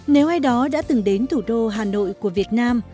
nếu ai đó đã từng đến thủ đô hà nội của việt nam